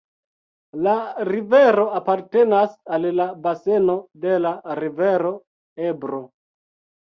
La rivero apartenas al la baseno de la rivero Ebro.